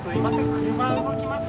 車動きます！